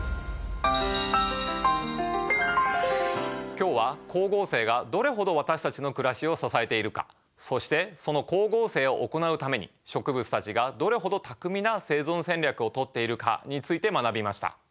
今日は光合成がどれほど私たちの暮らしを支えているかそしてその光合成を行うために植物たちがどれほど巧みな生存戦略をとっているかについて学びました。